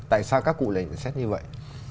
tại sao các cụ lại nhận xét như vậy